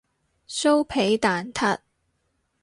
酥皮蛋撻